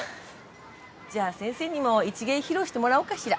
じゃあ先生にも一芸披露してもらおうかしら。